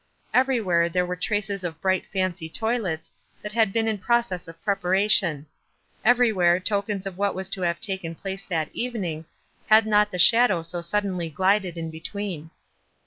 Everywhere there were traces of bright fancy toilets, that had been in process of preparation ; everywhere tokens of what was to have taken place that evening, had not the shadow so suddenly glided in between.